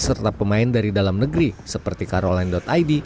serta pemain dari dalam negeri seperti karolan id